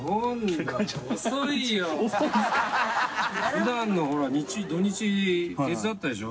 普段の土日手伝ったでしょ？